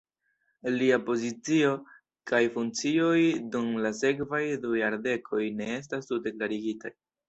Lia pozicio kaj funkcioj dum la sekvaj du jardekoj ne estas tute klarigitaj.